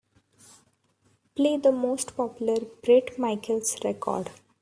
play the most popular Bret Michaels record